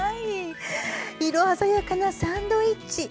色鮮やかなサンドイッチ。